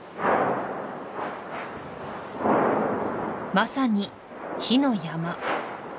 まさに火の山